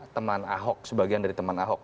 teman ahok sebagian dari teman ahok